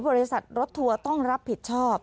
บริษัทรถทัวร์ต้องรับผิดชอบ